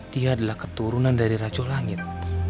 dia adalah keturunan dari racuh langit